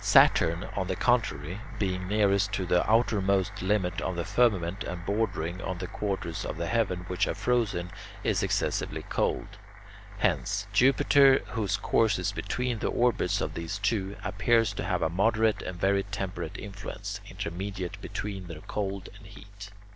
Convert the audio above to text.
Saturn, on the contrary, being nearest to the outermost limit of the firmament and bordering on the quarters of the heaven which are frozen, is excessively cold. Hence, Jupiter, whose course is between the orbits of these two, appears to have a moderate and very temperate influence, intermediate between their cold and heat.